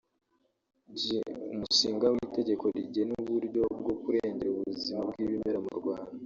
j) Umushinga w’Itegeko rigena uburyo bwo kurengera ubuzima bw’ibimera mu Rwanda ;